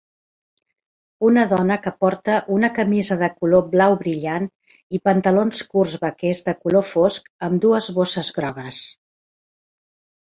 Una dona que porta una camisa de color blau brillant i pantalons curts vaquers de color fosc amb dues bosses grogues.